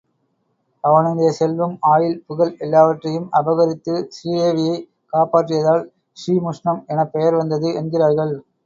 அவனுடைய செல்வம், ஆயுள், புகழ் எல்லாவற்றையும் அபகரித்து ஸ்ரீதேவியைக் காப்பாற்றியதால் ஸ்ரீமுஷ்ணம் எனப் பெயர் வந்தது என்கிறார்கள்.